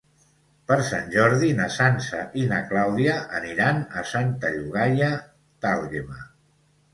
Per Sant Jordi na Sança i na Clàudia aniran a Santa Llogaia d'Àlguema.